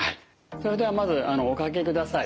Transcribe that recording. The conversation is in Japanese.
それではまずお掛けください。